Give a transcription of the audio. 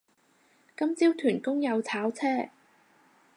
今朝屯公又炒車